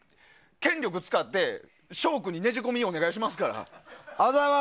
権力使って翔君にねじ込みをお願いしますから。